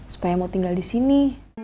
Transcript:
supaya mau tinggal disini